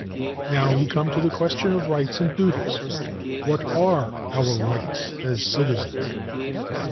Now we come to the question of 'rights and duties.' What are our rights as citizens?